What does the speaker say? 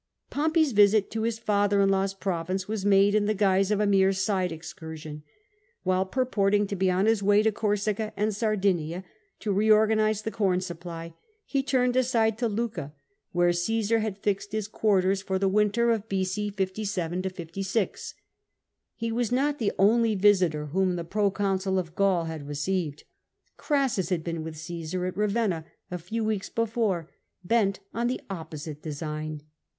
Pompey's visit to his father in law's province was made in the guise of a mere side excursion. While purportmg to be on his way to Corsica and Sardinia, to reorganise the corn supply, he turned aside to Lucca, where Oseaar THE CONFERENCE OF LUCCA 273 had fixed Ms quarters for the winter of B.c. 57 56. He was not the only visitor whom the proconsul of Gaul had received. Crassus had been with Caesar at Ravenna a few weeks before, bent on the opposite design.